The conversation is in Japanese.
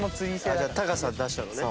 じゃあ高さ出しちゃうのね。